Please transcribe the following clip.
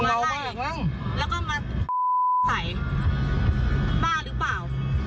มาไห้แล้วก็มาใส่มาหรือเปล่า